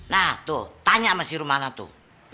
nah tuh tanya sama si rumana tuh